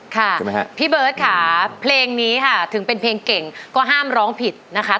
ค่ะพี่เบิร์ตค่ะเพลงนี้ค่ะถึงเป็นเพลงเก่งก็ห้ามร้องผิดนะคะ